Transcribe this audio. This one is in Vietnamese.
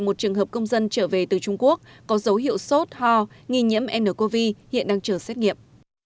một trường hợp công dân trở về từ trung quốc có dấu hiệu sốt ho nghi nhiễm ncov hiện đang chờ xét nghiệm